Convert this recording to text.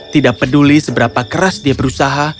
tidak peduli seberapa keras dia berusaha